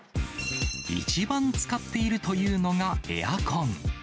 一番使っているというのが、エアコン。